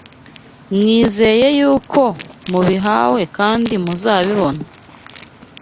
mwizere yuko mubihawe kandi muzabibona